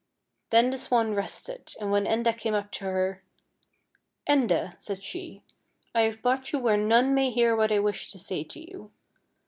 Then the swan rested, and when Enda came up to her :" Enda," said she, " I have brought you where none may hear what I wish to say to you.